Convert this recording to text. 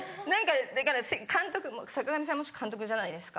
だから坂上さんもし監督じゃないですか。